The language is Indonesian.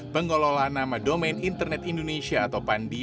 pengelola nama domain internet indonesia atau pandi